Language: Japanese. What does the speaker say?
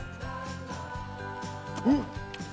うん！